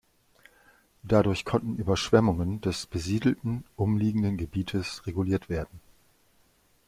Dadurch konnten Überschwemmungen des besiedelten umliegenden Gebietes reguliert werden.